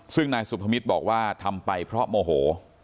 ซึ่งนายสุพมิตรบอกว่าทำไปเพราะโมโห